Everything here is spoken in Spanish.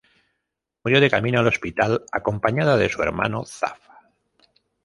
Murió de camino al hospital acompañada de su hermano Zab.